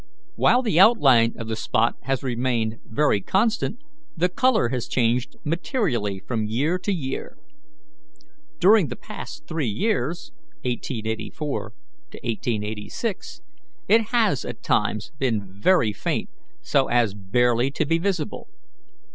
While the outline of the spot has remained very constant, the colour has changed materially from year to year. During the past three years (1884 '86) it has at times been very faint, so as barely to be visible.